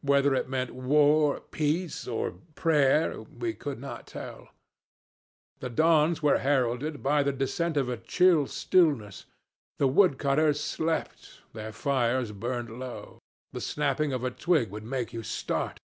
Whether it meant war, peace, or prayer we could not tell. The dawns were heralded by the descent of a chill stillness; the woodcutters slept, their fires burned low; the snapping of a twig would make you start.